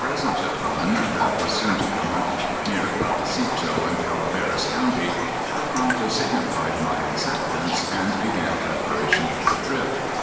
present at one that was soon to come off near Vah lecito, in Calaveras county, I promptly signified my acceptance, and began preparation for the trip.